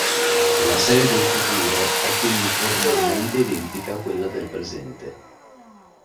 La serie del futuro è quindi formalmente identica a quella del presente.